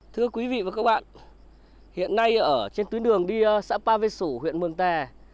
thưa quý vị và các bạn hiện nay ở trên tuyến đường đi xã pa vệ sủ huyện mường tè